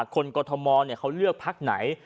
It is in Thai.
คนกฎมอลเขาเลือกภักดิ์ไหน